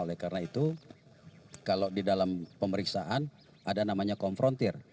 oleh karena itu kalau di dalam pemeriksaan ada namanya konfrontir